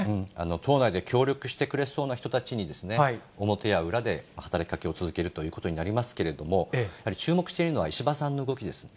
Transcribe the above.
党内で協力してくれそうな人たちに、表や裏で、働きかけを続けるということになりますけれども、やはり注目しているのは、石破さんの動きです。